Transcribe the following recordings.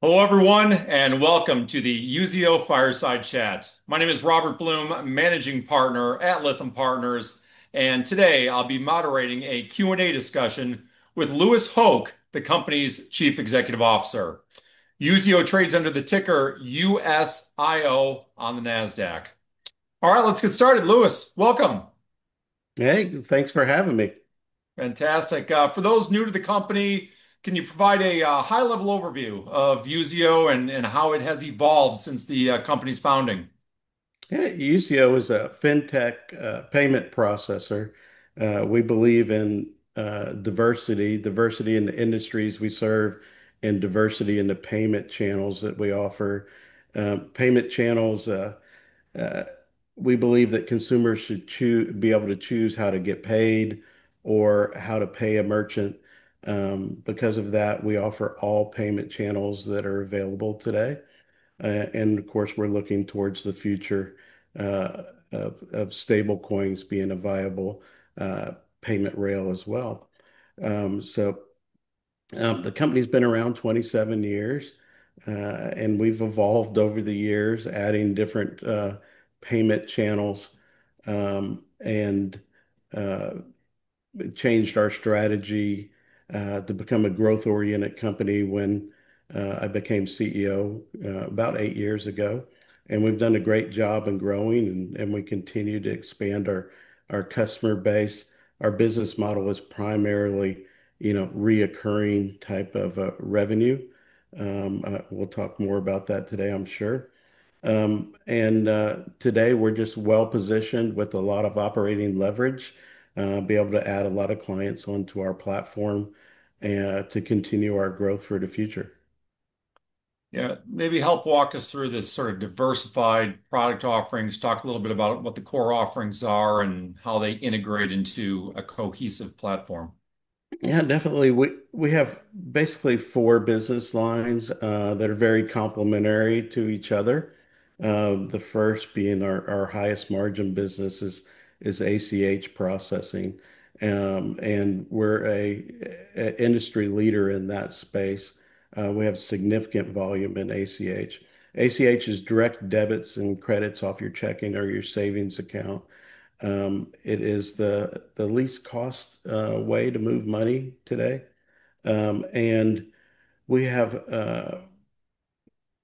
Hello everyone, and welcome to the Usio Fireside Chat. My name is Robert Blum, Managing Partner at Lytham Partners, and today I'll be moderating a Q&A discussion with Louis Hoch, the company's Chief Executive Officer. Usio trades under the ticker USIO on the NASDAQ. All right, let's get started. Louis, welcome. Hey, thanks for having me. Fantastic. For those new to the company, can you provide a high-level overview of Usio and how it has evolved since the company's founding? Yeah, Usio is a fintech payment processor. We believe in diversity, diversity in the industries we serve, and diversity in the payment channels that we offer. Payment channels, we believe that consumers should be able to choose how to get paid or how to pay a merchant. Because of that, we offer all payment channels that are available today. Of course, we're looking towards the future of stablecoins being a viable payment rail as well. The company's been around 27 years, and we've evolved over the years, adding different payment channels and changed our strategy to become a growth-oriented company when I became CEO about eight years ago. We've done a great job in growing, and we continue to expand our customer base. Our business model is primarily, you know, recurring type of revenue. We'll talk more about that today, I'm sure. Today, we're just well positioned with a lot of operating leverage, being able to add a lot of clients onto our platform to continue our growth for the future. Yeah, maybe help walk us through this sort of diversified product offerings. Talk a little bit about what the core offerings are and how they integrate into a cohesive platform. Yeah, definitely. We have basically four business lines that are very complementary to each other. The first, being our highest margin business, is ACH processing, and we're an industry leader in that space. We have significant volume in ACH. ACH is direct debits and credits off your checking or your savings account. It is the least cost way to move money today. We have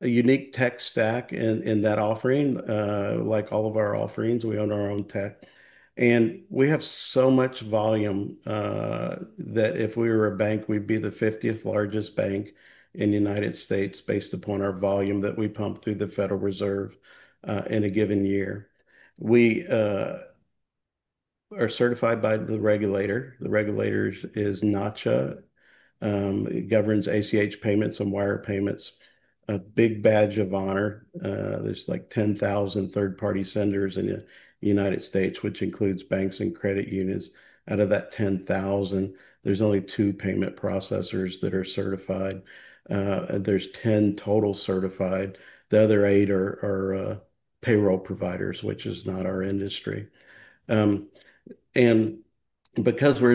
a unique tech stack in that offering. Like all of our offerings, we own our own tech. We have so much volume that if we were a bank, we'd be the 50th largest bank in the United States based upon our volume that we pump through the Federal Reserve in a given year. We are certified by the regulator. The regulator is Nacha, governs ACH payments and wire payments. A big badge of honor. There are like 10,000 third-party senders in the United States, which includes banks and credit unions. Out of that 10,000, there's only two payment processors that are certified. There are 10 total certified. The other eight are payroll providers, which is not our industry. Because we're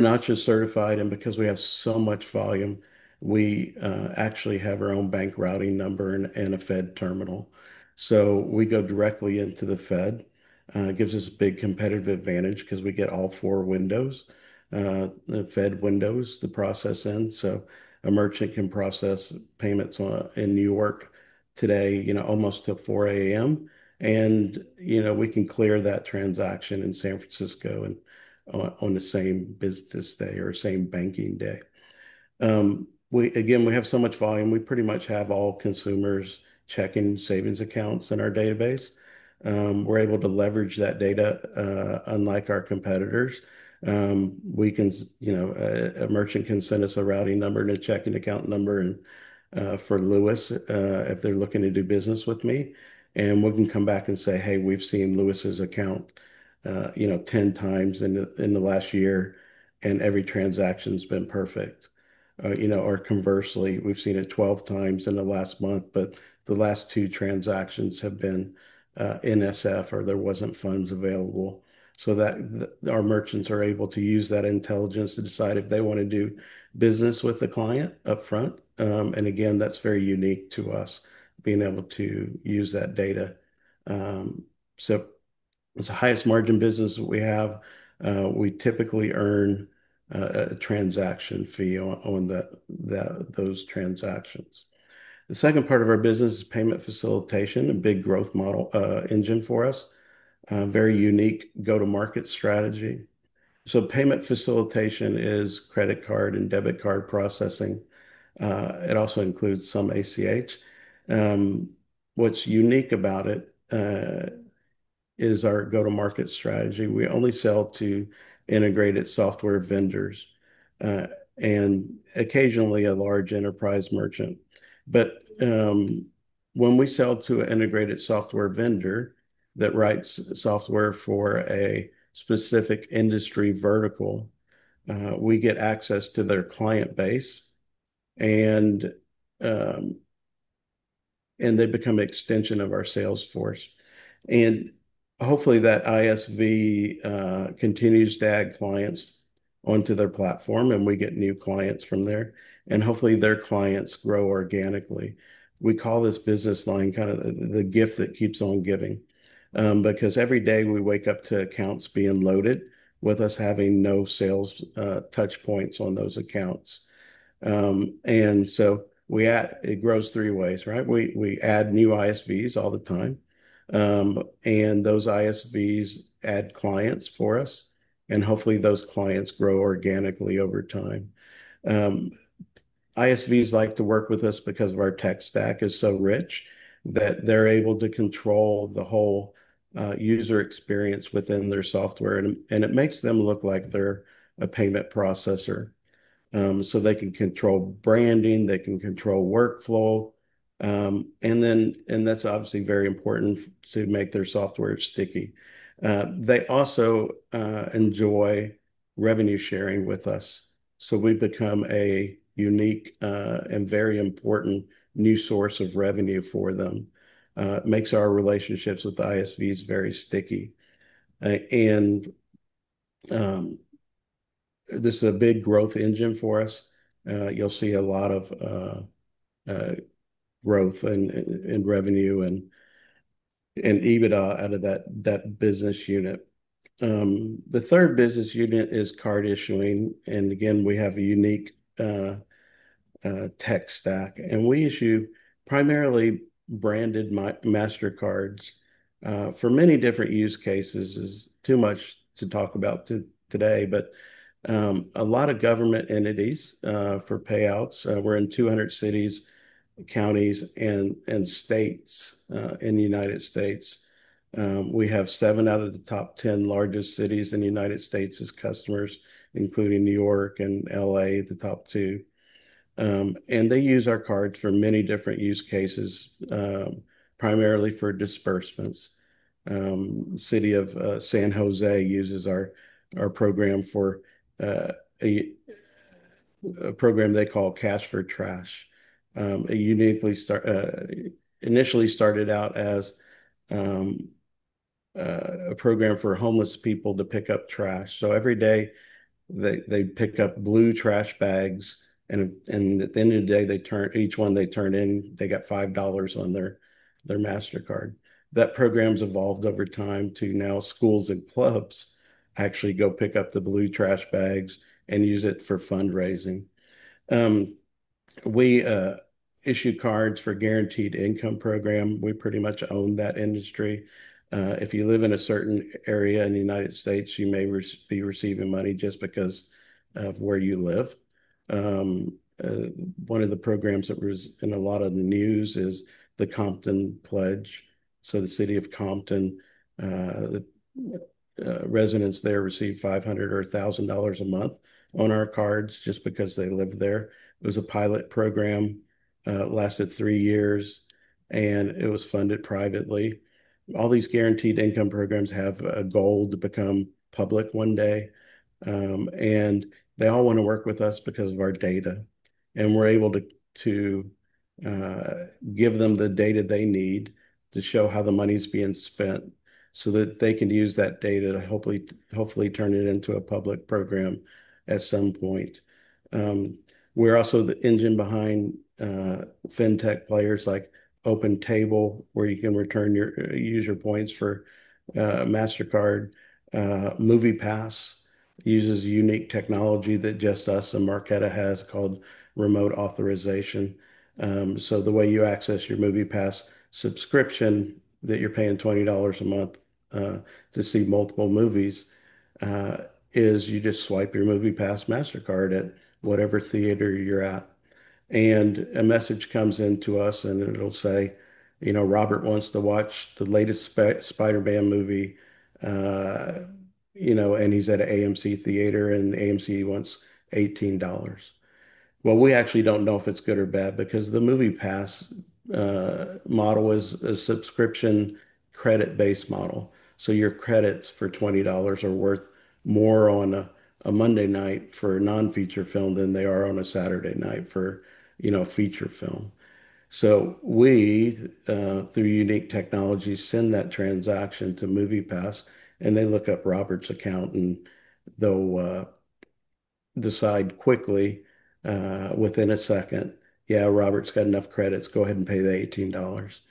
Nacha certified and because we have so much volume, we actually have our own bank routing number and a Fed terminal. We go directly into the Fed. It gives us a big competitive advantage because we get all four windows, the Fed windows, the process ends. A merchant can process payments in New York today, you know, almost till 4:00 A.M., and we can clear that transaction in San Francisco on the same business day or same banking day. Again, we have so much volume. We pretty much have all consumers' checking and savings accounts in our database. We're able to leverage that data, unlike our competitors. A merchant can send us a routing number and a checking account number for Louis if they're looking to do business with me. We can come back and say, "Hey, we've seen Louis's account, you know, 10x in the last year, and every transaction's been perfect." Or conversely, we've seen it 12x in the last month, but the last two transactions have been NSF or there weren't funds available. Our merchants are able to use that intelligence to decide if they want to do business with the client upfront. That is very unique to us, being able to use that data. It's the highest margin business that we have. We typically earn a transaction fee on those transactions. The second part of our business is payment facilitation, a big growth model engine for us. Very unique go-to-market strategy. Payment facilitation is credit card and debit card processing. It also includes some ACH. What's unique about it is our go-to-market strategy. We only sell to integrated software vendors and occasionally a large enterprise merchant. When we sell to an integrated software vendor that writes software for a specific industry vertical, we get access to their client base, and they become an extension of our sales force. Hopefully, that ISV continues to add clients onto their platform, and we get new clients from there. Hopefully, their clients grow organically. We call this business line kind of the gift that keeps on giving because every day we wake up to accounts being loaded with us having no sales touchpoints on those accounts. It grows three ways, right? We add new ISVs all the time, and those ISVs add clients for us. Hopefully, those clients grow organically over time. ISVs like to work with us because our tech stack is so rich that they're able to control the whole user experience within their software, and it makes them look like they're a payment processor. They can control branding, they can control workflow, and that's obviously very important to make their software sticky. They also enjoy revenue sharing with us. We become a unique and very important new source of revenue for them. It makes our relationships with the ISVs very sticky. This is a big growth engine for us. You'll see a lot of growth in revenue and EBITDA out of that business unit. The third business unit is card issuing. Again, we have a unique tech stack, and we issue primarily branded Mastercards for many different use cases. It's too much to talk about today, but a lot of government entities for payouts. We're in 200 cities, counties, and states in the United States. We have seven out of the top 10 largest cities in the United States as customers, including New York and LA, the top two. They use our cards for many different use cases, primarily for disbursements. The city of San Jose uses our program for a program they call Cash for Trash. It initially started out as a program for homeless people to pick up trash. Every day, they pick up blue trash bags, and at the end of the day, each one they turn in, they get $5 on their Mastercard. That program's evolved over time to now schools and clubs actually go pick up the blue trash bags and use it for fundraising. We issue cards for a guaranteed income program. We pretty much own that industry. If you live in a certain area in the U.S., you may be receiving money just because of where you live. One of the programs that was in a lot of the news is the Compton Pledge. The city of Compton, residents there receive $500 or $1,000 a month on our cards just because they live there. It was a pilot program. It lasted three years, and it was funded privately. All these guaranteed income programs have a goal to become public one day, and they all want to work with us because of our data. We're able to give them the data they need to show how the money's being spent so that they can use that data to hopefully turn it into a public program at some point. We're also the engine behind fintech players like OpenTable, where you can return your user points for Mastercard. MoviePass uses unique technology that just us and Marqeta has called remote authorization. The way you access your MoviePass subscription that you're paying $20 a month to see multiple movies is you just swipe your MoviePass Mastercard at whatever theater you're at. A message comes into us, and it'll say, "You know, Robert wants to watch the latest Spider-Man movie, you know, and he's at an AMC theater, and AMC wants $18." We actually don't know if it's good or bad because the MoviePass model is a subscription credit-based model. Your credits for $20 are worth more on a Monday night for a non-feature film than they are on a Saturday night for a feature film. We, through unique technology, send that transaction to MoviePass, and they look up Robert's account, and they'll decide quickly, within a second, "Yeah, Robert's got enough credits. Go ahead and pay the $18."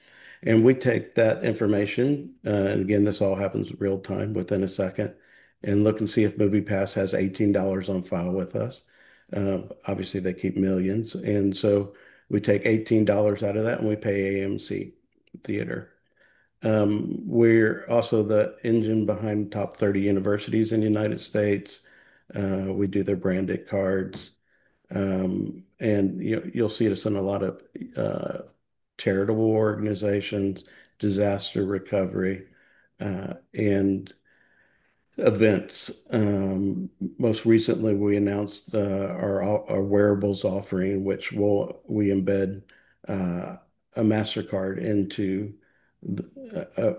We take that information, and again, this all happens real-time within a second, and look and see if MoviePass has $18 on file with us. Obviously, they keep millions. We take $18 out of that, and we pay AMC theater. We're also the engine behind top 30 universities in the U.S. We do their branded cards, and you'll see us in a lot of charitable organizations, disaster recovery, and events. Most recently, we announced our wearables offering, which we embed a Mastercard into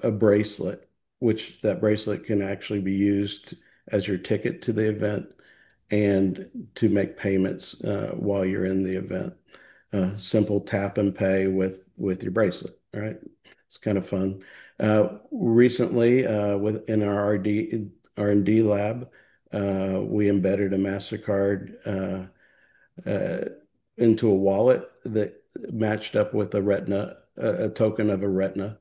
a bracelet, which that bracelet can actually be used as your ticket to the event and to make payments while you're in the event. Simple tap and pay with your bracelet. All right? It's kind of fun. Recently, in our R&D lab, we embedded a Mastercard into a wallet that matched up with a token of a retina.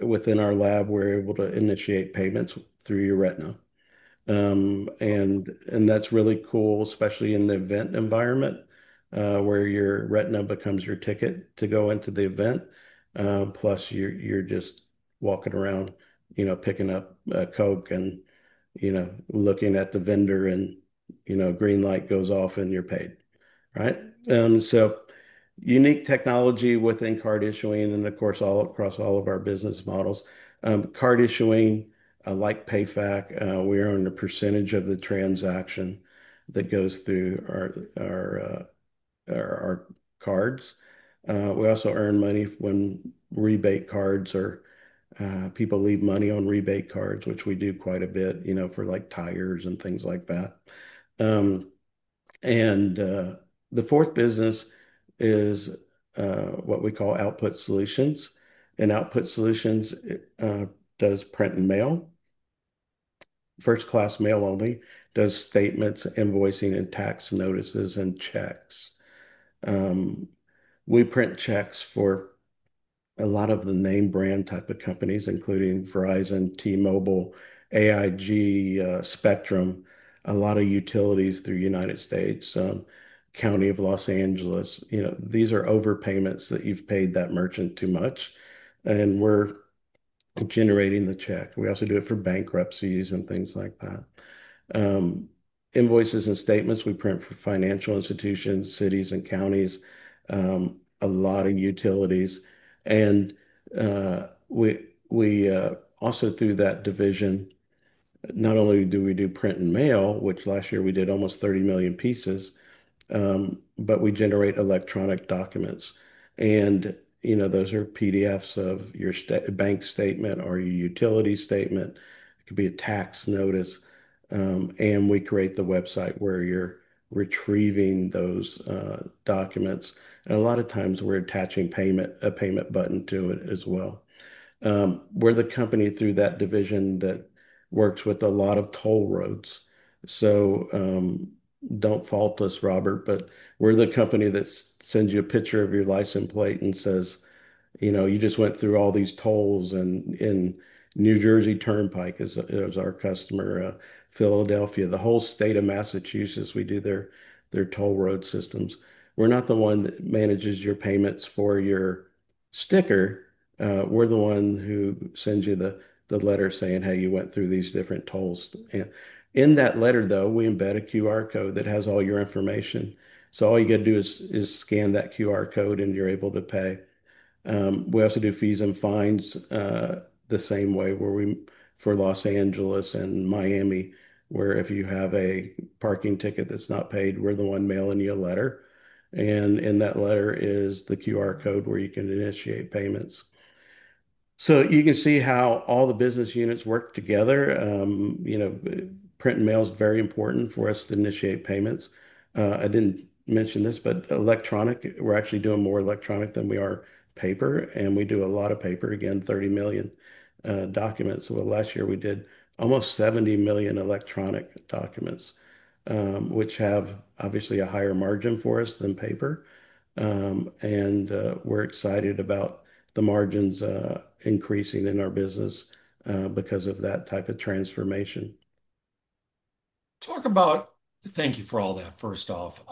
Within our lab, we're able to initiate payments through your retina. That's really cool, especially in the event environment, where your retina becomes your ticket to go into the event. Plus, you're just walking around, picking up a Coke and looking at the vendor, and a green light goes off and you're paid. Unique technology within card issuing and, of course, all across all of our business models. Card issuing, like PayFac, we earn a percentage of the transaction that goes through our cards. We also earn money when rebate cards or people leave money on rebate cards, which we do quite a bit, for like tires and things like that. The fourth business is what we call Output Solutions. Output Solutions does print and mail. First-class mail only does statements, invoicing, tax notices, and checks. We print checks for a lot of the name brand type of companies, including Verizon, T-Mobile, AIG, Spectrum, a lot of utilities throughout the United States, Los Angeles County. These are overpayments that you've paid that merchant too much, and we're generating the check. We also do it for bankruptcies and things like that. Invoices and statements we print for financial institutions, cities, and counties, a lot of utilities. Through that division, not only do we do print and mail, which last year we did almost 30 million pieces, but we generate electronic documents. Those are PDFs of your bank statement or your utility statement. It could be a tax notice. We create the website where you're retrieving those documents. A lot of times we're attaching a payment button to it as well. We're the company, through that division, that works with a lot of toll roads. Don't fault us, Robert, but we're the company that sends you a picture of your license plate and says, "You just went through all these tolls in New Jersey Turnpike," is our customer. Philadelphia, the whole state of Massachusetts, we do their toll road systems. We're not the one that manages your payments for your sticker. We're the one who sends you the letter saying how you went through these different tolls. In that letter, we embed a QR code that has all your information. All you got to do is scan that QR code and you're able to pay. We also do fees and fines the same way, where we for Los Angeles and Miami, where if you have a parking ticket that's not paid, we're the one mailing you a letter. In that letter is the QR code where you can initiate payments. You can see how all the business units work together. Print and mail is very important for us to initiate payments. I didn't mention this, but electronic, we're actually doing more electronic than we are paper, and we do a lot of paper. Last year we did almost 70 million electronic documents, which have obviously a higher margin for us than paper. We're excited about the margins increasing in our business because of that type of transformation. Thank you for all that, first off.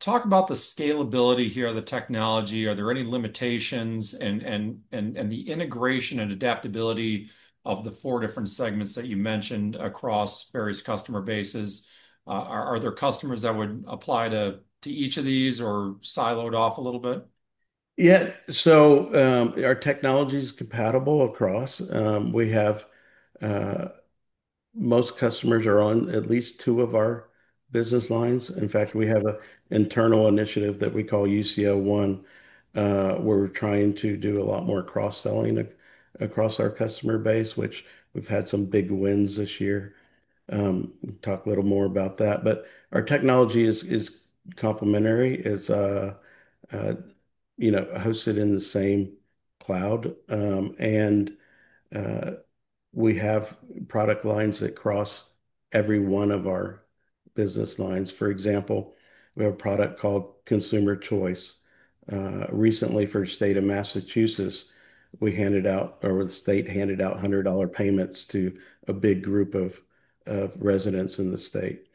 Talk about the scalability here, the technology. Are there any limitations and the integration and adaptability of the four different segments that you mentioned across various customer bases? Are there customers that would apply to each of these or siloed off a little bit? Yeah, so our technology is compatible across. We have most customers on at least two of our business lines. In fact, we have an internal initiative that we call Usio ONE, where we're trying to do a lot more cross-selling across our customer base, which we've had some big wins this year. Talk a little more about that. Our technology is complementary. It's hosted in the same cloud, and we have product lines that cross every one of our business lines. For example, we have a product called Consumer Choice. Recently, for the state of Massachusetts, we handed out, or the state handed out $100 payments to a big group of residents in the state.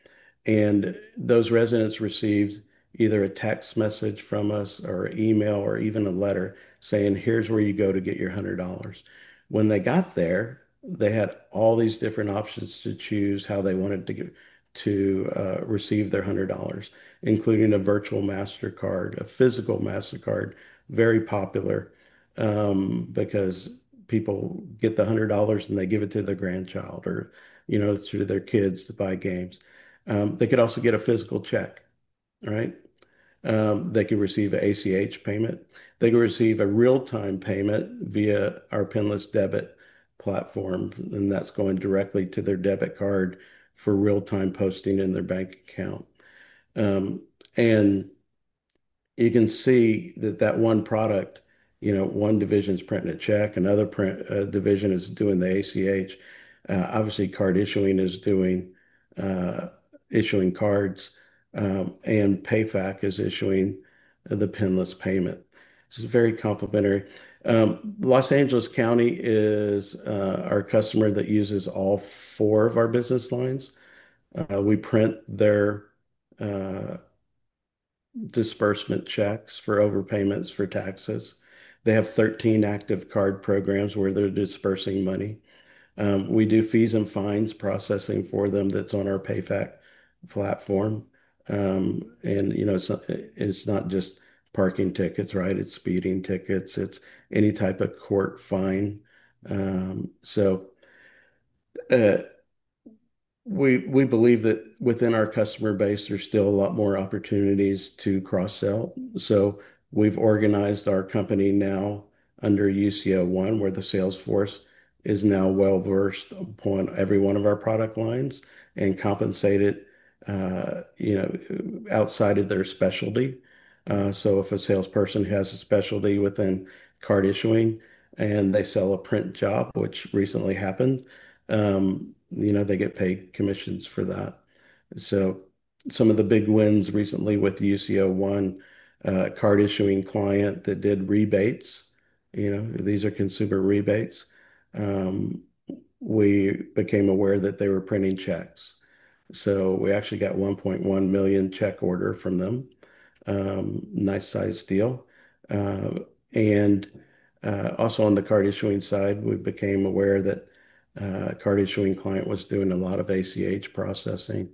Those residents received either a text message from us or an email or even a letter saying, "Here's where you go to get your $100." When they got there, they had all these different options to choose how they wanted to receive their $100, including a virtual Mastercard, a physical Mastercard, very popular because people get the $100 and they give it to their grandchild or, you know, to their kids to buy games. They could also get a physical check. They could receive an ACH payment. They could receive a real-time payment via our pinless debit platform, and that's going directly to their debit card for real-time posting in their bank account. You can see that that one product, one division's printing a check, another division is doing the ACH. Obviously, card issuing is doing issuing cards, and PayFac is issuing the pinless payment. It's very complementary. Los Angeles County is our customer that uses all four of our business lines. We print their disbursement checks for overpayments for taxes. They have 13 active card programs where they're disbursing money. We do fees and fines processing for them that's on our PayFac platform. It's not just parking tickets, it's speeding tickets. It's any type of court fine. We believe that within our customer base, there's still a lot more opportunities to cross-sell. We've organized our company now under Usio ONE, where the sales force is now well-versed upon every one of our product lines and compensated, you know, outside of their specialty. If a salesperson has a specialty within card issuing and they sell a print job, which recently happened, they get paid commissions for that. Some of the big wins recently with the Usio ONE, a card issuing client that did rebates, you know, these are consumer rebates, we became aware that they were printing checks. We actually got $1.1 million check orders from them. Nice size deal. Also, on the card issuing side, we became aware that a card issuing client was doing a lot of ACH processing,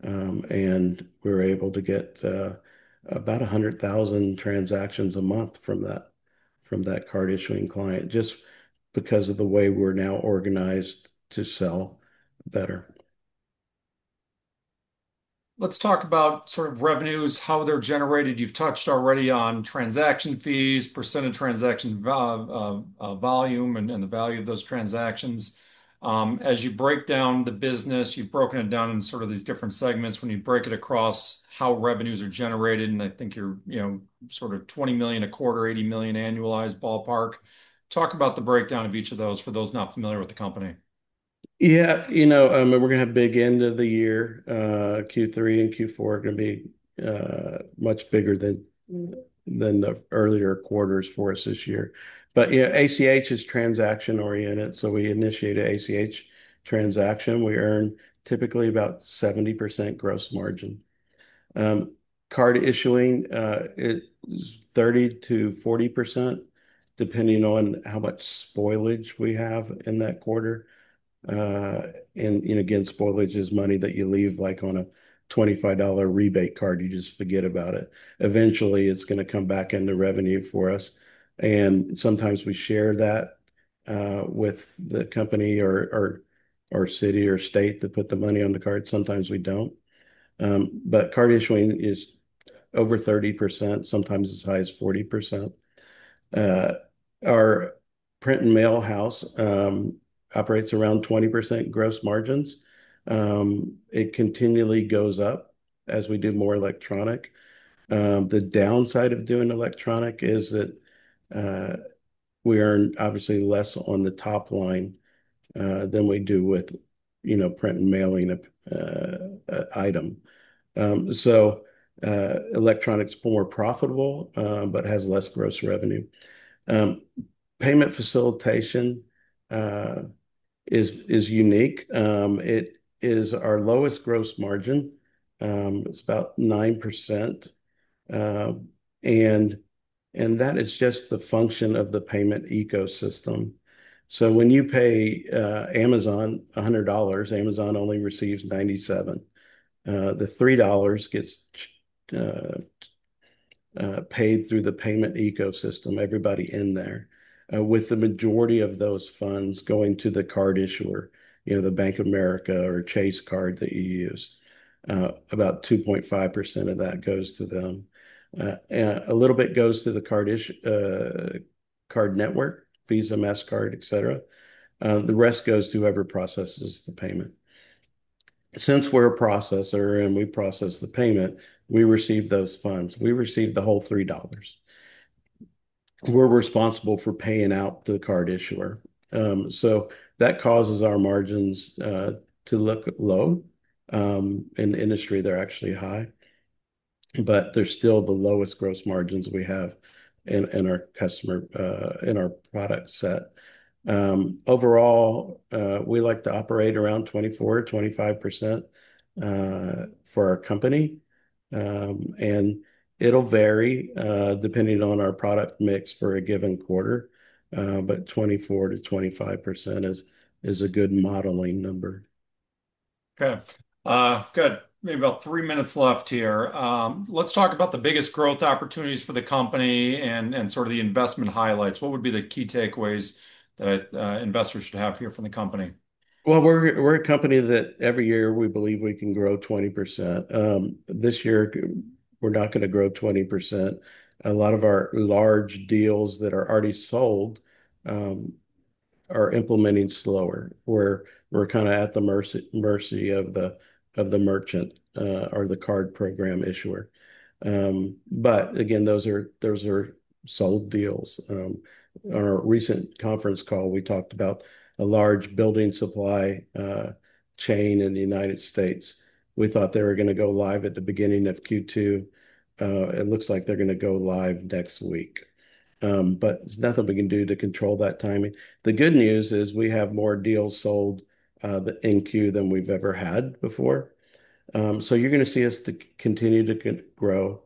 and we were able to get about 100,000 transactions a month from that card issuing client just because of the way we're now organized to sell better. Let's talk about sort of revenues, how they're generated. You've touched already on transaction fees, percent of transaction volume, and the value of those transactions. As you break down the business, you've broken it down in sort of these different segments. When you break it across how revenues are generated, and I think you're, you know, sort of $20 million a quarter, $80 million annualized ballpark. Talk about the breakdown of each of those for those not familiar with the company. Yeah, you know, I mean, we're going to have a big end of the year. Q3 and Q4 are going to be much bigger than the earlier quarters for us this year. ACH is transaction-oriented. We initiate an ACH transaction. We earn typically about 70% gross margin. Card issuing is 30%-40% depending on how much spoilage we have in that quarter. Spoilage is money that you leave, like on a $25 rebate card. You just forget about it. Eventually, it's going to come back into revenue for us. Sometimes we share that with the company or our city or state that put the money on the card. Sometimes we don't. Card issuing is over 30%, sometimes as high as 40%. Our print and mail house operates around 20% gross margins. It continually goes up as we do more electronic. The downside of doing electronic is that we earn obviously less on the top line than we do with print and mailing an item. Electronic is more profitable but has less gross revenue. Payment facilitation is unique. It is our lowest gross margin. It's about 9%. That is just the function of the payment ecosystem. When you pay Amazon $100, Amazon only receives $97. The $3 gets paid through the payment ecosystem, everybody in there, with the majority of those funds going to the card issuer, the Bank of America or Chase card that you use. About 2.5% of that goes to them. A little bit goes to the card network, Visa, Mastercard, etc. The rest goes to whoever processes the payment. Since we're a processor and we process the payment, we receive those funds. We receive the whole $3. We're responsible for paying out the card issuer. That causes our margins to look low. In the industry, they're actually high. They're still the lowest gross margins we have in our product set. Overall, we like to operate around 24%-25% for our company. It'll vary depending on our product mix for a given quarter. 24%-25% is a good modeling number. Okay. Good. We have about three minutes left here. Let's talk about the biggest growth opportunities for the company and sort of the investment highlights. What would be the key takeaways that investors should have here from the company? We're a company that every year we believe we can grow 20%. This year, we're not going to grow 20%. A lot of our large deals that are already sold are implementing slower, where we're kind of at the mercy of the merchant or the card program issuer. Those are sold deals. On a recent conference call, we talked about a large building supply chain in the United States. We thought they were going to go live at the beginning of Q2. It looks like they're going to go live next week. There's nothing we can do to control that timing. The good news is we have more deals sold in queue than we've ever had before. You're going to see us continue to grow.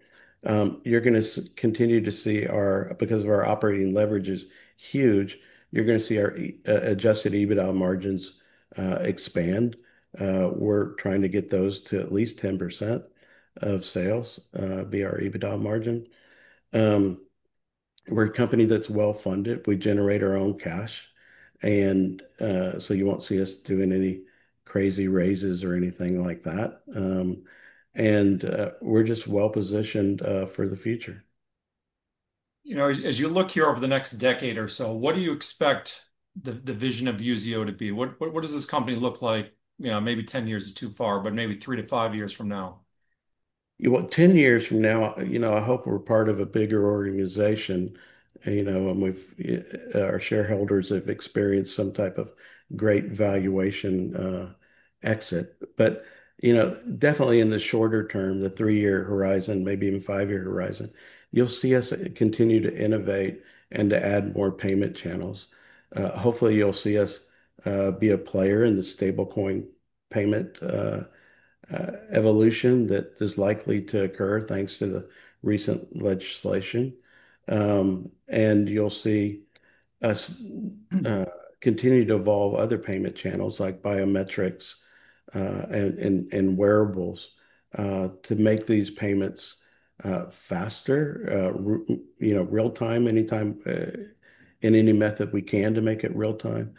You're going to continue to see our, because our operating leverage is huge, you're going to see our adjusted EBITDA margins expand. We're trying to get those to at least 10% of sales be our EBITDA margin. We're a company that's well-funded. We generate our own cash. You won't see us doing any crazy raises or anything like that. We're just well-positioned for the future. As you look here over the next decade or so, what do you expect the vision of Usio to be? What does this company look like? Maybe 10 years is too far, but maybe three to five years from now. Ten years from now, you know, I hope we're part of a bigger organization. You know, our shareholders have experienced some type of great valuation exit. You know, definitely in the shorter term, the three-year horizon, maybe even five-year horizon, you'll see us continue to innovate and to add more payment channels. Hopefully, you'll see us be a player in the stablecoin payment evolution that is likely to occur thanks to the recent legislation. You'll see us continue to evolve other payment channels like biometrics and wearables to make these payments faster, you know, real-time, anytime in any method we can to make it real-time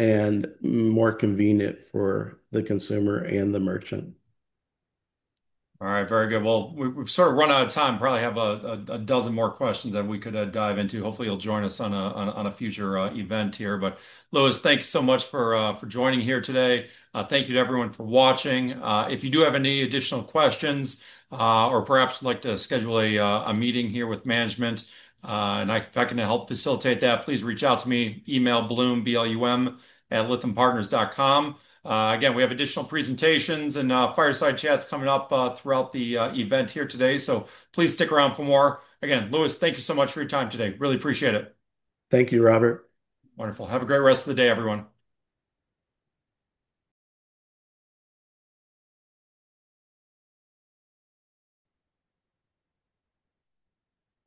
and more convenient for the consumer and the merchant. All right, very good. We've sort of run out of time. Probably have a dozen more questions that we could dive into. Hopefully, you'll join us at a future event here. Louis, thanks so much for joining here today. Thank you to everyone for watching. If you do have any additional questions or perhaps would like to schedule a meeting here with management, and if I can help facilitate that, please reach out to me. Email blum@lythampartners.com. Again, we have additional presentations and fireside chats coming up throughout the event here today. Please stick around for more. Again, Louis, thank you so much for your time today. Really appreciate it. Thank you, Robert. Wonderful. Have a great rest of the day, everyone.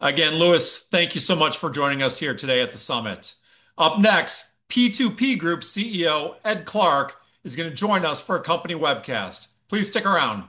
Again, Louis, thank you so much for joining us here today at the summit. Up next, P2P Group CEO Ed Clarke is going to join us for a company webcast. Please stick around.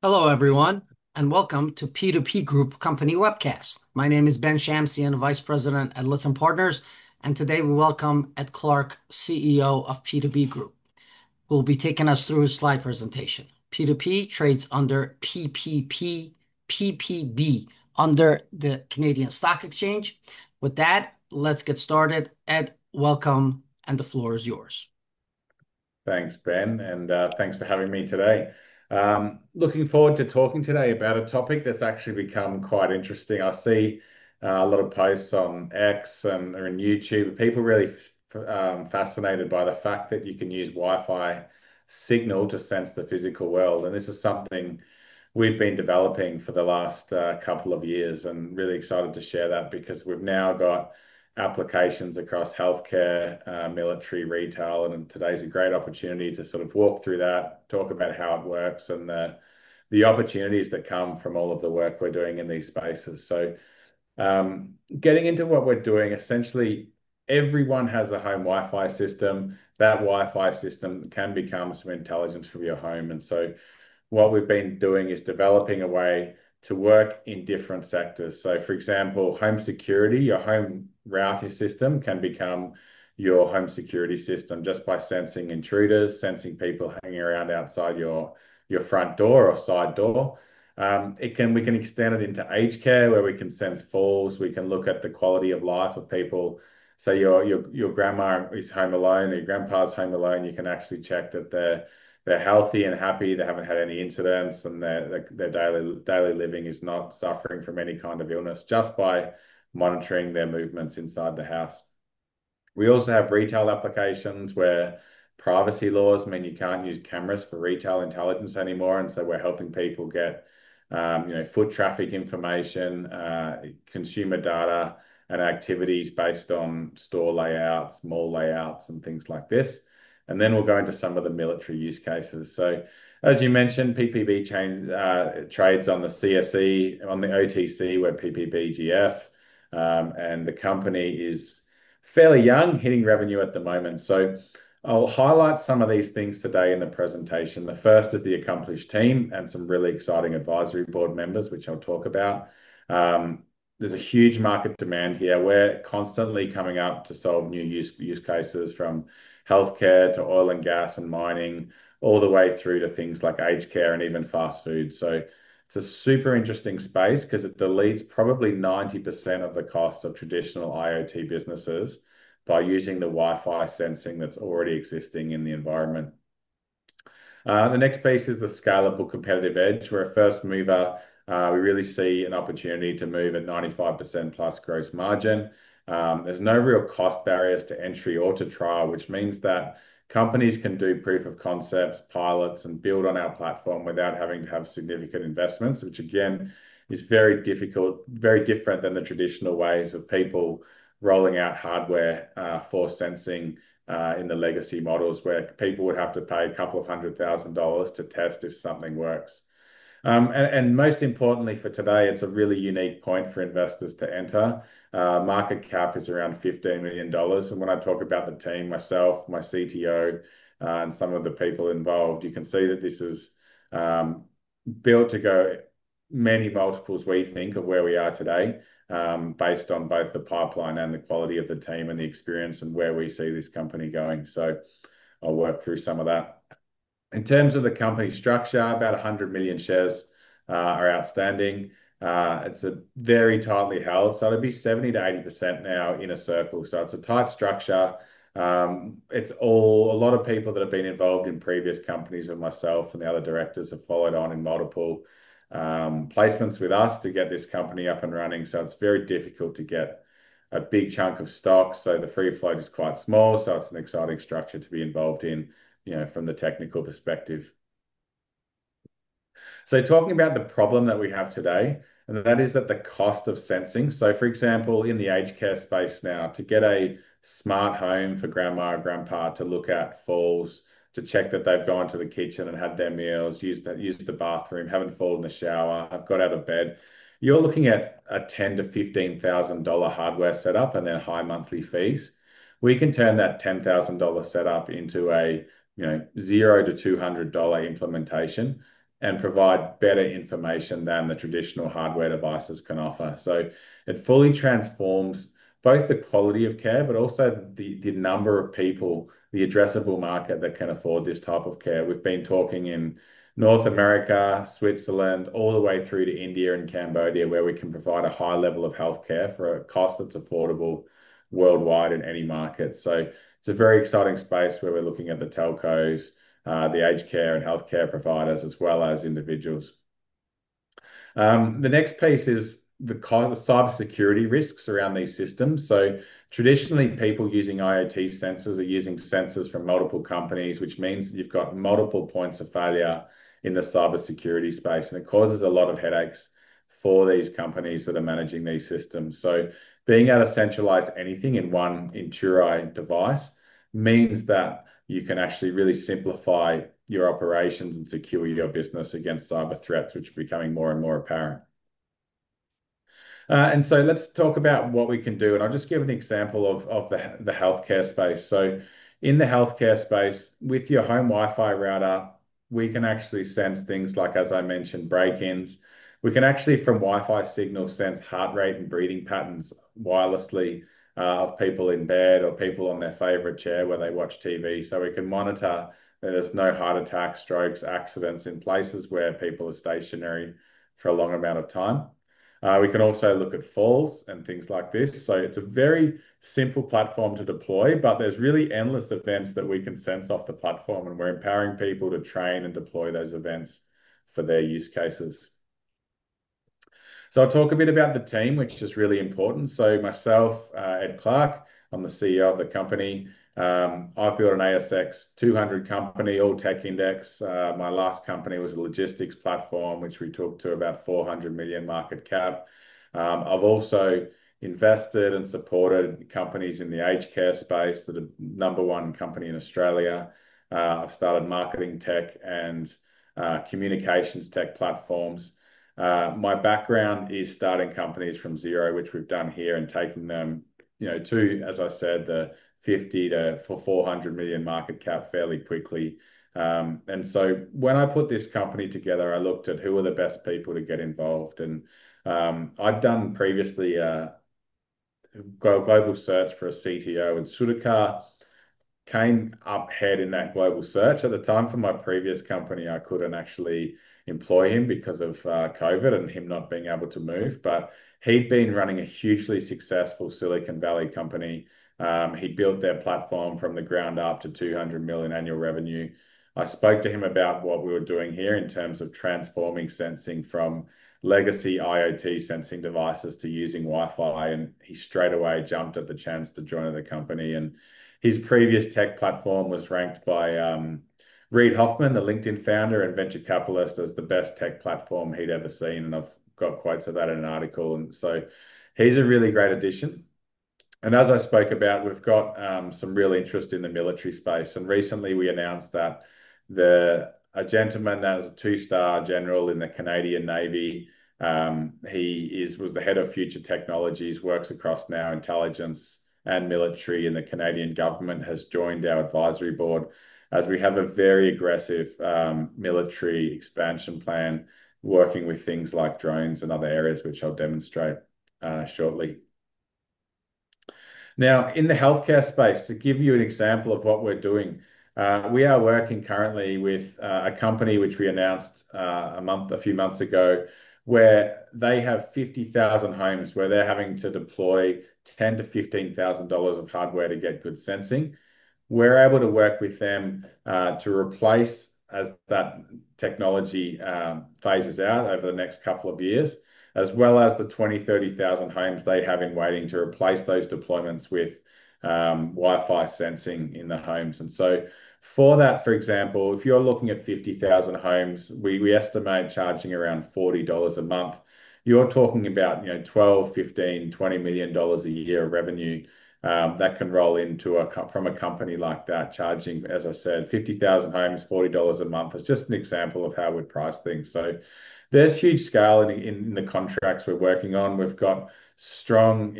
Hello everyone, and welcome to P2P Group Company Webcast. My name is Ben Shamsian, I'm the Vice President at Lytham Partners, and today we welcome Ed Clarke, CEO of P2P Group, who will be taking us through his slide presentation. P2P trades under PPP, PPB, under the Canadian Stock Exchange. With that, let's get started. Ed, welcome, and the floor is yours. Thanks, Ben, and thanks for having me today. Looking forward to talking today about a topic that's actually become quite interesting. I see a lot of posts on X and on YouTube. People are really fascinated by the fact that you can use Wi-Fi signal to sense the physical world. This is something we've been developing for the last couple of years and really excited to share that because we've now got applications across healthcare, military, retail, and today's a great opportunity to sort of walk through that, talk about how it works, and the opportunities that come from all of the work we're doing in these spaces. Getting into what we're doing, essentially, everyone has a home Wi-Fi system. That Wi-Fi system can become some intelligence from your home. What we've been doing is developing a way to work in different sectors. For example, home security, your home routing system can become your home security system just by sensing intruders, sensing people hanging around outside your front door or side door. We can extend it into aged care, where we can sense falls. We can look at the quality of life of people. Your grandma is home alone or your grandpa is home alone. You can actually check that they're healthy and happy. They haven't had any incidents, and their daily living is not suffering from any kind of illness just by monitoring their movements inside the house. We also have retail applications where privacy laws mean you can't use cameras for retail intelligence anymore. We're helping people get foot traffic information, consumer data, and activities based on store layouts, mall layouts, and things like this. We will go into some of the military use cases. As you mentioned, PPB-CN trades on the CSE, on the OTC, with PPBGF. The company is fairly young, hitting revenue at the moment. I'll highlight some of these things today in the presentation. The first is the accomplished team and some really exciting advisory board members, which I'll talk about. There's a huge market demand here. We're constantly coming up to solve new use cases from healthcare to oil and gas and mining, all the way through to things like aged care and even fast food. It's a super interesting space because it deletes probably 90% of the costs of traditional IoT businesses by using the Wi-Fi sensing that's already existing in the environment. The next piece is the scalable competitive edge. We're a first mover. We really see an opportunity to move at 95%+ gross margin. There's no real cost barriers to entry or to trial, which means that companies can do proof of concepts, pilots, and build on our platform without having to have significant investments, which again is very different than the traditional ways of people rolling out hardware for sensing in the legacy models where people would have to pay a couple of hundred thousand dollars to test if something works. Most importantly for today, it's a really unique point for investors to enter. Market cap is around $15 million. When I talk about the team, myself, my CTO, and some of the people involved, you can see that this is built to go many multiples, we think, of where we are today based on both the pipeline and the quality of the team and the experience and where we see this company going. I'll work through some of that. In terms of the company structure, about 100 million shares are outstanding. It's very tightly held. It would be 70%-80% now in a circle. It's a tight structure. It's all a lot of people that have been involved in previous companies, and myself and the other directors have followed on in multiple placements with us to get this company up and running. It's very difficult to get a big chunk of stock. The free float is quite small. It's an exciting structure to be involved in from the technical perspective. Talking about the problem that we have today, and that is the cost of sensing. For example, in the aged care space now, to get a smart home for grandma or grandpa to look at falls, to check that they've gone to the kitchen and had their meals, used the bathroom, haven't fallen in the shower, have got out of bed, you're looking at a $10,000-$15,000 hardware setup and their high monthly fees. We can turn that $10,000 setup into a $0-$200 implementation and provide better information than the traditional hardware devices can offer. It fully transforms both the quality of care, but also the number of people, the addressable market that can afford this type of care. We've been talking in North America, Switzerland, all the way through to India and Cambodia, where we can provide a high level of healthcare for a cost that's affordable worldwide in any market. It's a very exciting space where we're looking at the telcos, the aged care and healthcare providers, as well as individuals. The next piece is the cybersecurity risks around these systems. Traditionally, people using IoT sensors are using sensors from multiple companies, which means that you've got multiple points of failure in the cybersecurity space. It causes a lot of headaches for these companies that are managing these systems. Being able to centralize anything in one intui device means that you can actually really simplify your operations and secure your business against cyber threats, which are becoming more and more apparent. Let's talk about what we can do. I'll just give an example of the healthcare space. In the healthcare space, with your home Wi-Fi router, we can actually sense things like, as I mentioned, break-ins. We can actually, from Wi-Fi signals, sense heart rate and breathing patterns wirelessly of people in bed or people on their favorite chair when they watch TV. We can monitor that there's no heart attacks, strokes, accidents in places where people are stationary for a long amount of time. We can also look at falls and things like this. It's a very simple platform to deploy, but there's really endless events that we can sense off the platform. We're empowering people to train and deploy those events for their use cases. I'll talk a bit about the team, which is just really important. Myself, Ed Clarke, I'm the CEO of the company. I built an ASX 200 company, all tech index. My last company was a logistics platform, which we took to about $400 million market cap. I've also invested and supported companies in the aged care space. They're the number one company in Australia. I've started marketing tech and communications tech platforms. My background is starting companies from zero, which we've done here, and taking them, you know, to, as I said, the $50 million-$400 million market cap fairly quickly. When I put this company together, I looked at who were the best people to get involved. I'd done previously a global search for a CTO, and Sudhakar came up ahead in that global search. At the time, for my previous company, I couldn't actually employ him because of COVID and him not being able to move. He'd been running a hugely successful Silicon Valley company. He'd built their platform from the ground up to $200 million annual revenue. I spoke to him about what we were doing here in terms of transforming sensing from legacy IoT sensing devices to using Wi-Fi. He straight away jumped at the chance to join the company. His previous tech platform was ranked by Reid Hoffman, the LinkedIn founder and venture capitalist, as the best tech platform he'd ever seen. I've got quotes of that in an article. He's a really great addition. As I spoke about, we've got some real interest in the military space. Recently, we announced that a gentleman who was a two-star general in the Canadian Navy, the Head of Future Technologies, works across now intelligence and military, and the Canadian government has joined our advisory board as we have a very aggressive military expansion plan working with things like drones and other areas, which I'll demonstrate shortly. In the healthcare space, to give you an example of what we're doing, we are working currently with a company, which we announced a few months ago, where they have 50,000 homes where they're having to deploy $10,000-$15,000 of hardware to get good sensing. We're able to work with them to replace, as that technology phases out over the next couple of years, as well as the 20,000 to 30,000 homes they have in waiting, to replace those deployments with Wi-Fi sensing in the homes. For that, for example, if you're looking at 50,000 homes, we estimate charging around $40 a month. You're talking about $12 million, $15 million, $20 million a year revenue that can roll into a company like that, charging, as I said, 50,000 homes, $40 a month. That's just an example of how we price things. There's huge scale in the contracts we're working on. We've got strong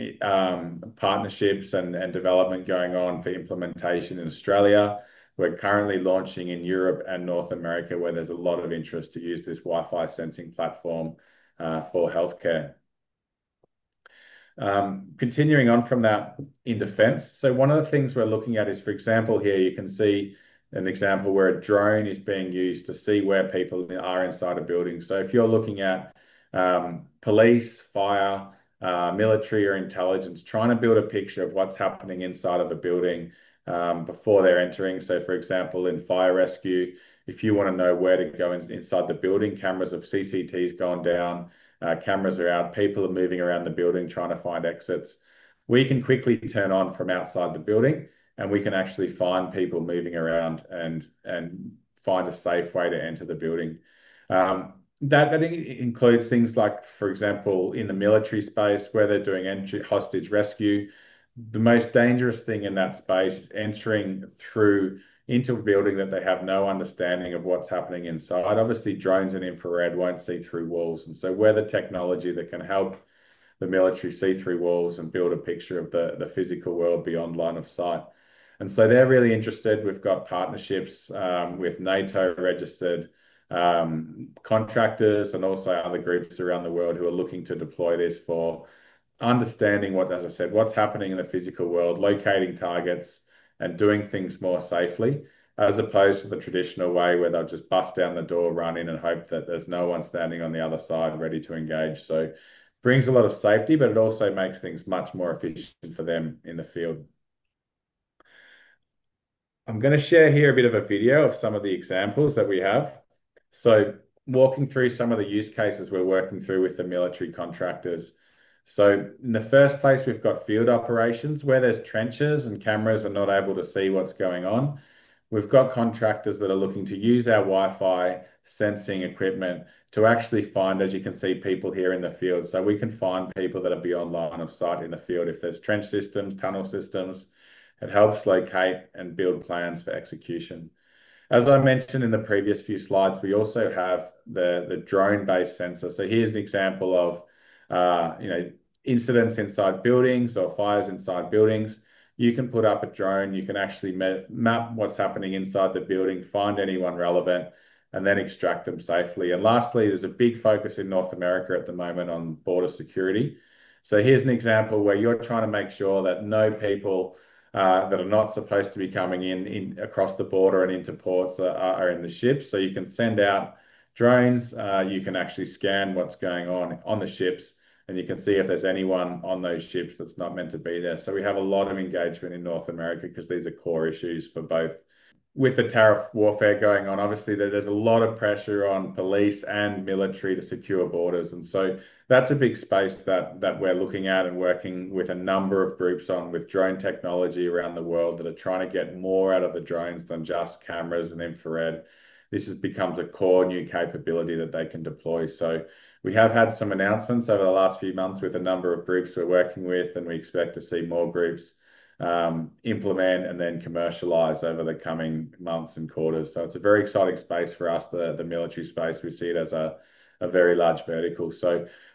partnerships and development going on for implementation in Australia. We're currently launching in Europe and North America, where there's a lot of interest to use this Wi-Fi sensing platform for healthcare. Continuing on from that in defense, one of the things we're looking at is, for example, here you can see an example where a drone is being used to see where people are inside a building. If you're looking at police, fire, military, or intelligence, trying to build a picture of what's happening inside of a building before they're entering. For example, in fire rescue, if you want to know where to go inside the building, CCTVs have gone down, cameras are out, people are moving around the building trying to find exits. We can quickly turn on from outside the building, and we can actually find people moving around and find a safe way to enter the building. That includes things like, for example, in the military space where they're doing entry hostage rescue. The most dangerous thing in that space is entering through into a building that they have no understanding of what's happening inside. Obviously, drones and infrared won't see through walls. We're the technology that can help the military see through walls and build a picture of the physical world beyond line of sight. They're really interested. We've got partnerships with NATO-registered contractors and also other groups around the world who are looking to deploy this for understanding what, as I said, what's happening in the physical world, locating targets, and doing things more safely as opposed to the traditional way where they'll just bust down the door, run in, and hope that there's no one standing on the other side ready to engage. It brings a lot of safety, but it also makes things much more efficient for them in the field. I'm going to share here a bit of a video of some of the examples that we have. Walking through some of the use cases we're working through with the military contractors, in the first place, we've got field operations where there's trenches and cameras are not able to see what's going on. We've got contractors that are looking to use our Wi-Fi sensing equipment to actually find, as you can see, people here in the field. We can find people that are beyond line of sight in the field. If there's trench systems, tunnel systems, it helps locate and build plans for execution. As I mentioned in the previous few slides, we also have the drone-based sensor. Here's an example of incidents inside buildings or fires inside buildings. You can put up a drone. You can actually map what's happening inside the building, find anyone relevant, and then extract them safely. Lastly, there's a big focus in North America at the moment on border security. Here's an example where you're trying to make sure that no people that are not supposed to be coming in across the border and into ports are in the ships. You can send out drones. You can actually scan what's going on on the ships, and you can see if there's anyone on those ships that's not meant to be there. We have a lot of engagement in North America because these are core issues for both. With the tariff warfare going on, there's a lot of pressure on police and military to secure borders. That's a big space that we're looking at and working with a number of groups on with drone technology around the world that are trying to get more out of the drones than just cameras and infrared. This becomes a core new capability that they can deploy. We have had some announcements over the last few months with a number of groups we're working with, and we expect to see more groups implement and then commercialize over the coming months and quarters. It's a very exciting space for us, the military space. We see it as a very large vertical.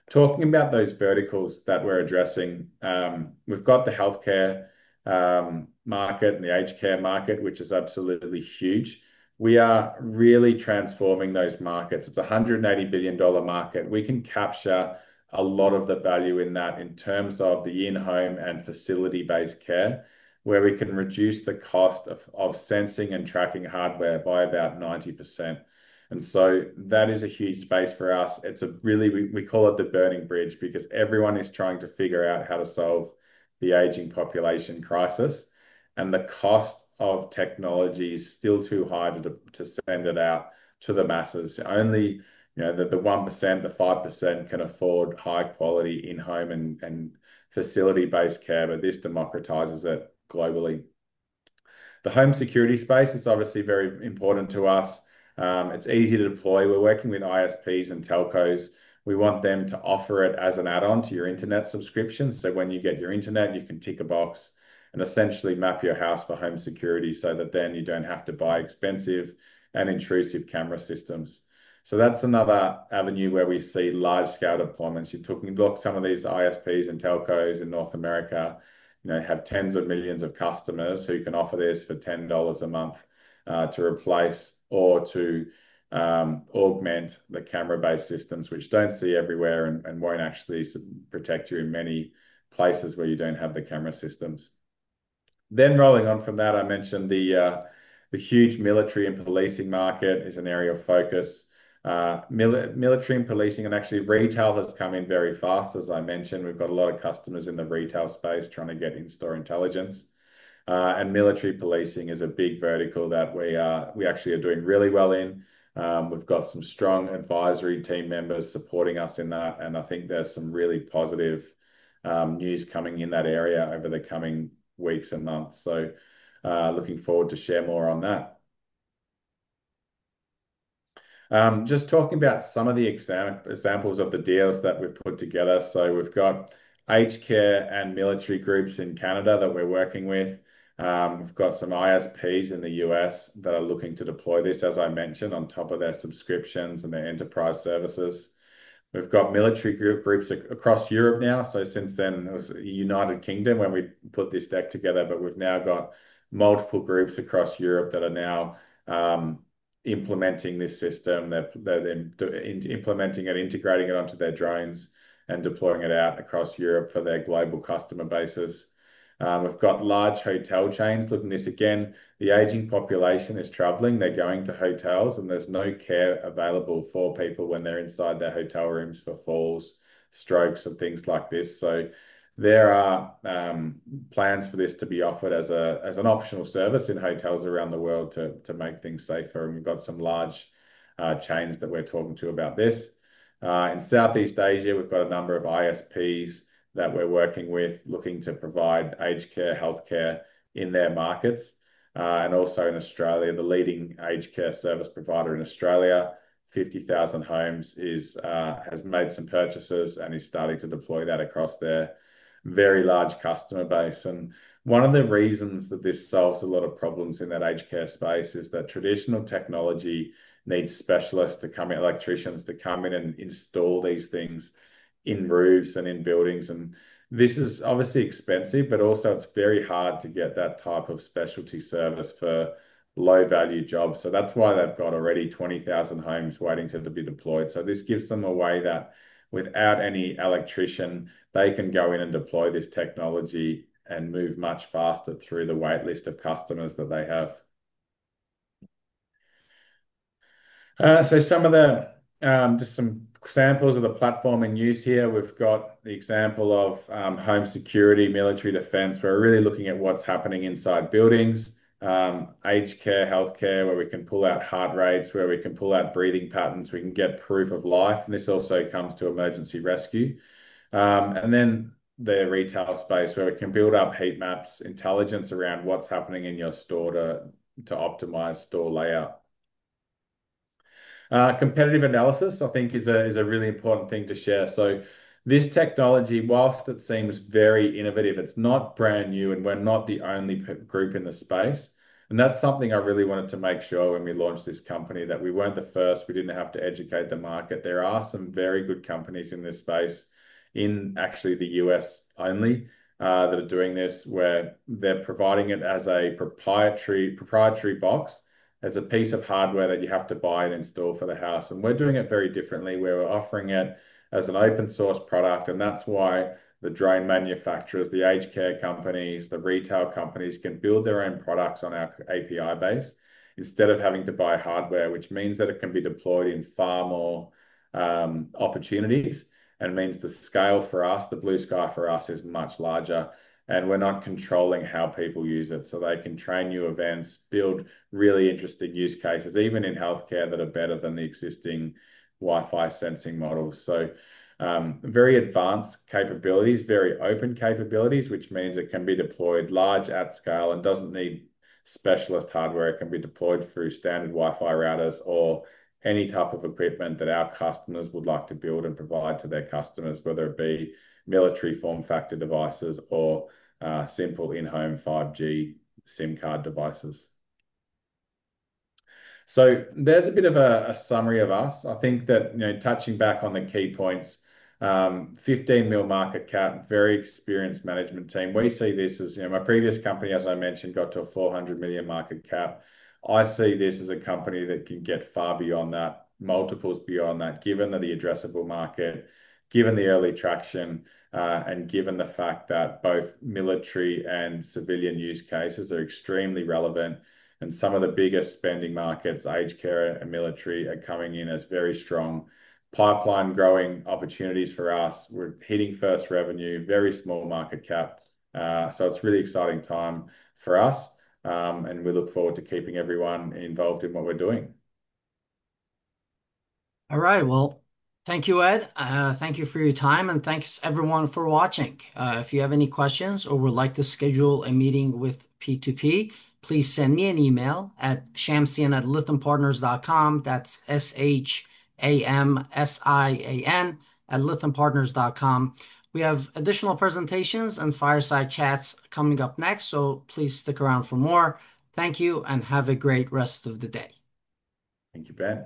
Talking about those verticals that we're addressing, we've got the healthcare market and the aged care market, which is absolutely huge. We are really transforming those markets. It's a $180 billion market. We can capture a lot of the value in that in terms of the in-home and facility-based care, where we can reduce the cost of sensing and tracking hardware by about 90%. That is a huge space for us. We call it the burning bridge because everyone is trying to figure out how to solve the aging population crisis. The cost of technology is still too high to send it out to the masses. Only the 1%, the 5% can afford high-quality in-home and facility-based care, but this democratizes it globally. The home security space is obviously very important to us. It's easy to deploy. We're working with ISPs and telcos. We want them to offer it as an add-on to your internet subscription. When you get your internet, you can tick a box and essentially map your house for home security so that you don't have to buy expensive and intrusive camera systems. That's another avenue where we see large-scale deployments. Some of these ISPs and telcos in North America have tens of millions of customers who can offer this for $10 a month to replace or to augment the camera-based systems, which don't see everywhere and won't actually protect you in many places where you don't have the camera systems. Rolling on from that, I mentioned the huge military and policing market is an area of focus. Military and policing, and actually retail has come in very fast. As I mentioned, we've got a lot of customers in the retail space trying to get in-store intelligence. Military policing is a big vertical that we actually are doing really well in. We've got some strong advisory team members supporting us in that. I think there's some really positive news coming in that area over the coming weeks and months. Looking forward to share more on that. Just talking about some of the examples of the deals that we've put together, we've got aged care and military groups in Canada that we're working with. We've got some ISPs in the U.S. that are looking to deploy this, as I mentioned, on top of their subscriptions and their enterprise services. We've got military groups across Europe now. When we put this deck together, it was the United Kingdom, but we've now got multiple groups across Europe that are implementing this system. They're implementing it, integrating it onto their drones, and deploying it out across Europe for their global customer bases. We've got large hotel chains looking at this. The aging population is traveling. They're going to hotels, and there's no care available for people when they're inside their hotel rooms for falls, strokes, and things like this. There are plans for this to be offered as an optional service in hotels around the world to make things safer. We've got some large chains that we're talking to about this. In Southeast Asia, we've got a number of ISPs that we're working with looking to provide aged care, healthcare in their markets. In Australia, the leading aged care service provider in Australia, 50,000 homes, has made some purchases and is starting to deploy that across their very large customer base. One of the reasons that this solves a lot of problems in that aged care space is that traditional technology needs specialists to come in, electricians to come in and install these things in roofs and in buildings. This is obviously expensive, but also it's very hard to get that type of specialty service for low-value jobs. That's why they've got already 20,000 homes waiting to be deployed. This gives them a way that without any electrician, they can go in and deploy this technology and move much faster through the waitlist of customers that they have. Some samples of the platform in use here: we've got the example of home security, military defense. We're really looking at what's happening inside buildings, aged care, healthcare, where we can pull out heart rates, where we can pull out breathing patterns. We can get proof of life. This also comes to emergency rescue. In the retail space, we can build up heat maps and intelligence around what's happening in your store to optimize store layout. Competitive analysis is a really important thing to share. This technology, while it seems very innovative, is not brand new, and we're not the only group in the space. That's something I really wanted to make sure when we launched this company, that we weren't the first. We didn't have to educate the market. There are some very good companies in this space, in the U.S. only, that are doing this, where they're providing it as a proprietary box. It's a piece of hardware that you have to buy and install for the house. We're doing it very differently. We're offering it as an open-source product. That's why the drone manufacturers, the aged care companies, and the retail companies can build their own products on our API base instead of having to buy hardware, which means that it can be deployed in far more opportunities. It means the scale for us, the blue sky for us, is much larger. We're not controlling how people use it. They can train new events and build really interesting use cases, even in healthcare, that are better than the existing Wi-Fi sensing models. Very advanced capabilities, very open capabilities, which means it can be deployed large at scale and doesn't need specialist hardware. It can be deployed through standard Wi-Fi routers or any type of equipment that our customers would like to build and provide to their customers, whether it be military form factor devices or simple in-home 5G SIM card devices. There's a bit of a summary of us. Touching back on the key points, $15 million market cap, very experienced management team. We see this as, my previous company, as I mentioned, got to a $400 million market cap. I see this as a company that can get far beyond that, multiples beyond that, given the addressable market, given the early traction, and given the fact that both military and civilian use cases are extremely relevant. Some of the biggest spending markets, aged care and military, are coming in as very strong. Pipeline growing opportunities for us. We're hitting first revenue, very small market cap. It's a really exciting time for us. We look forward to keeping everyone involved in what we're doing. All right. Thank you, Ed. Thank you for your time, and thanks, everyone, for watching. If you have any questions or would like to schedule a meeting with P2P Group, please send me an email at shamsian@lythampartners.com. That's S-H-A-M-S-I-A-N at lythampartners.com. We have additional presentations and fireside chats coming up next. Please stick around for more. Thank you and have a great rest of the day. Thank you, Ben.